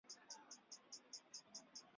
杰克队长收到鲁克的留下来的短片。